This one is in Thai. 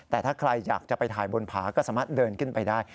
แต่ถ้าใครอยากจะไปถ่ายบนผาก็สามารถเดินขึ้นไปได้